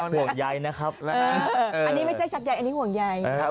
ห่วงใยนะครับอันนี้ไม่ใช่ชักใยอันนี้ห่วงใย